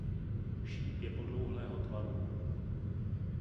Šíp je podlouhlého tvaru.